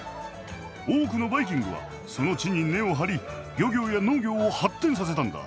多くのバイキングはその地に根を張り漁業や農業を発展させたんだ。